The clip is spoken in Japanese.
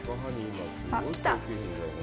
あっ、来た！